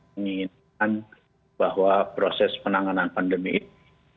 menginginkan bahwa proses penanganan pandemi ini